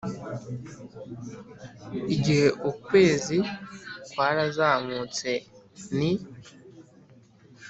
igihe ukwezi kwarazamutse ni